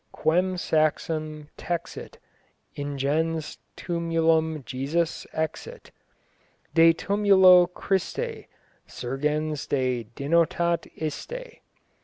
Quem saxum texit: ingens tumulum Jesus exit. De tumulo Christe: surgens te denotat iste.